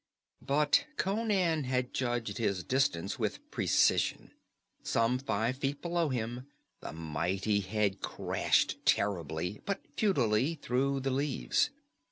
But Conan had judged his distance with precision. Some five feet below him the mighty head crashed terribly but futilely through the leaves.